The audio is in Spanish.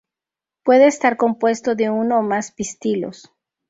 Puede estar compuesto de uno o más pistilos.